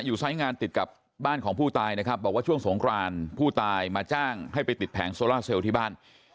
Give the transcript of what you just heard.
ไซส์งานติดกับบ้านของผู้ตายนะครับบอกว่าช่วงสงครานผู้ตายมาจ้างให้ไปติดแผงโซล่าเซลล์ที่บ้าน